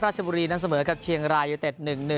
ราชบุรีนั้นเสมอกับเชียงรายุทธ๑๑